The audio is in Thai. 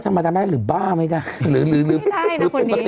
ธรรมดาไม่ได้หรือบ้าบ้าไม่ได้หรือลืม